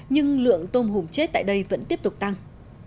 nhưng lượng tôm hùm chết tại đây vẫn tiếp tục tăng